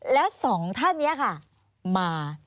แล้วสองท่านนี้ค่ะมา